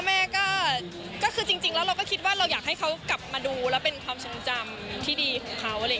แม่ก็คือจริงแล้วเราก็คิดว่าเราอยากให้เขากลับมาดูแล้วเป็นความทรงจำที่ดีของเขา